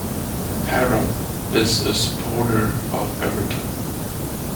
Parrott is a supporter of Everton.